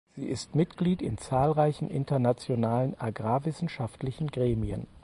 Sie ist Mitglied in zahlreichen internationalen agrarwissenschaftlichen Gremien.